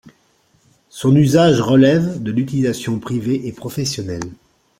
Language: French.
Son usage relève de l’utilisation privée et professionnelle.